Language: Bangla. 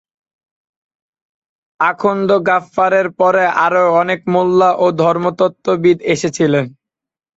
আখুন্দ গাফফারের পরে আরও অনেক মোল্লা ও ধর্মতত্ত্ববিদ এসেছিলেন।